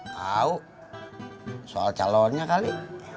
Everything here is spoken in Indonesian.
tau soal calonnya kali